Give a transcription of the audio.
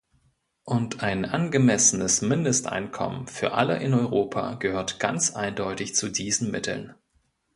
Und ein angemessenes Mindesteinkommen für alle in Europa gehört ganz eindeutig zu diesen Mitteln.